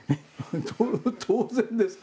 当然ですか？